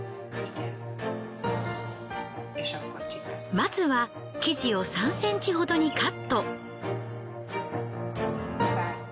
まずは生地を３センチほどにカット。